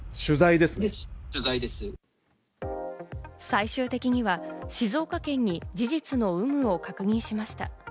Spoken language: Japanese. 最終的には静岡県に事実の有無を確認しました。